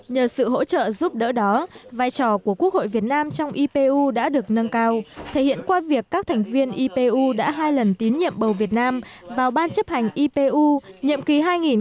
nhờ sự hỗ trợ giúp đỡ đó vai trò của quốc hội việt nam trong ipu đã được nâng cao thể hiện qua việc các thành viên ipu đã hai lần tín nhiệm bầu việt nam vào ban chấp hành ipu nhiệm kỳ hai nghìn một mươi sáu hai nghìn hai mươi một